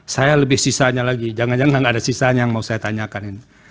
saya lebih sisanya lagi jangan jangan ada sisanya yang mau saya tanyakan ini